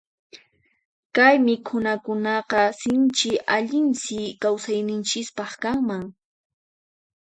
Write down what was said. Kay mikhunakunaqa sinchi allinsi kawsayninchispaq kanman.